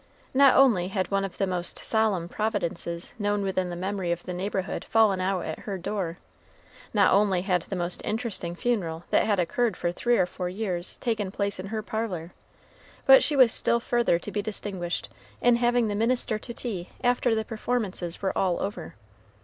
Not only had one of the most "solemn providences" known within the memory of the neighborhood fallen out at her door, not only had the most interesting funeral that had occurred for three or four years taken place in her parlor, but she was still further to be distinguished in having the minister to tea after the performances were all over.